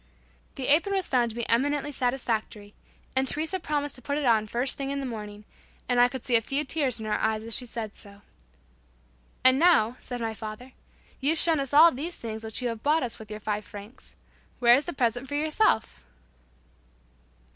The apron was found to be eminently satisfactory, and Teresa promised to put it on the first thing in the morning, and I could see a few tears in her eyes as she said so. "And now," said my father, "you've shown us all these things which you have bought us with your five francs. Where is the present for yourself?"